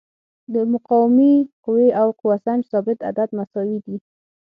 د مقاومې قوې او قوه سنج ثابت عدد مساوي دي.